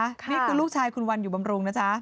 นี่คือลูกชายคุณวันอยู่บำรุงนะจ๊ะ